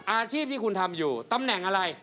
อาชีพที่คุณทำอยู่ตำแหน่งอะไร